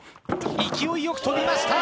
勢いよく跳びました！